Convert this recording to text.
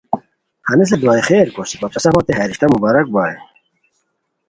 ہنیسن دعائے خیر کوسی وا پِسہ سفانتے ہیہ رشتہ مبارک بائے